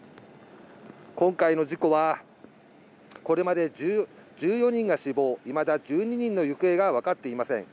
今回の事故はこれまで１４人が死亡、いまだ１２人の行方がわかっていません。